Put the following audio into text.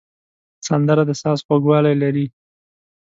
سندره د ساز خوږوالی لري